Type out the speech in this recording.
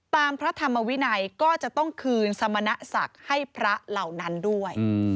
พระธรรมวินัยก็จะต้องคืนสมณศักดิ์ให้พระเหล่านั้นด้วย